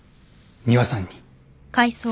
仁和さんに。